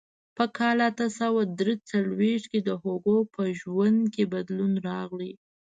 په کال اته سوه درې څلوېښت کې د هوګو په ژوند کې بدلون راغی.